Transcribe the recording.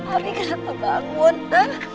padi kenapa bangun